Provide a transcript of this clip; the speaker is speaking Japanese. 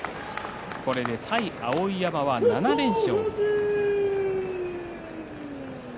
これで対碧山は７連勝。